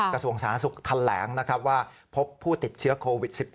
กระทรวงสาธารณสุขแถลงนะครับว่าพบผู้ติดเชื้อโควิด๑๙